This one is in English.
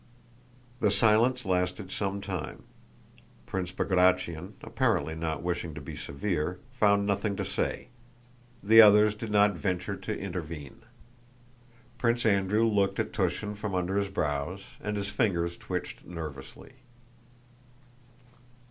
The silence lasted some time. Prince Bagratión, apparently not wishing to be severe, found nothing to say; the others did not venture to intervene. Prince Andrew looked at Túshin from under his brows and his fingers twitched nervously.